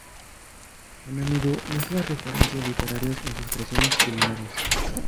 A menudo mezcla referencias literarias en sus creaciones culinarias.